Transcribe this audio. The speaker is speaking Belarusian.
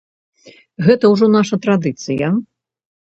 Гэта ўжо наша традыцыя.